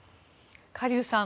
カ・リュウさん